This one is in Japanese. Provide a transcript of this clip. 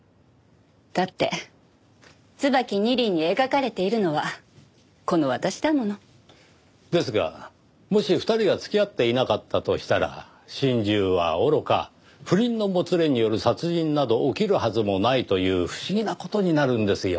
だって『椿二輪』に描かれているのはこの私だもの。ですがもし２人が付き合っていなかったとしたら心中はおろか不倫のもつれによる殺人など起きるはずもないという不思議な事になるんですよ。